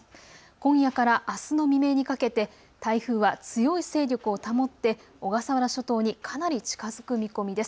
今夜からあすの未明にかけて台風は強い勢力を保って小笠原諸島にかなり近づく見込みです。